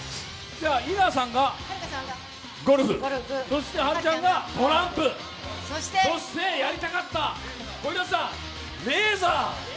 井川さんがゴルフ、華ちゃんがトランプ、そしてやりたかった小日向さん、レーザー。